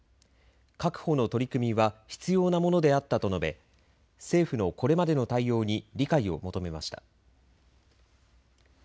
確保の取り組みは必要なものであったと述べ政府のこれまでの対応に理解を求めました。